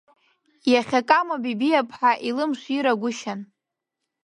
Иахьа Кама Бебиаԥҳа илымширагәышьан…